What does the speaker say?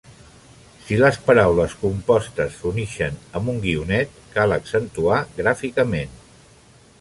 Si les paraules compostes s’unixen amb un guionet, cal accentuar gràficament.